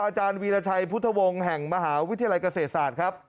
อาจารย์วีรชัยพุทธวงศ์แห่งมหาวิทยาลัยเกษตรศาสตร์ครับ